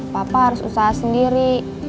papa harus usaha sendiri